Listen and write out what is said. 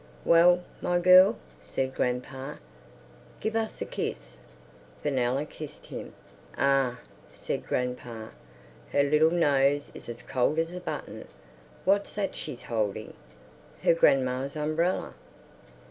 "Well, my girl!" said grandpa. "Give us a kiss!" Fenella kissed him. "Ugh!" said grandpa. "Her little nose is as cold as a button. What's that she's holding? Her grandma's umbrella?"